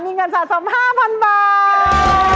มีเงินสาธารณ์๒๕๐๐๐บาท